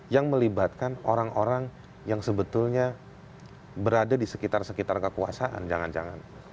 yang melibatkan orang orang yang sebetulnya berada di sekitar sekitar kekuasaan jangan jangan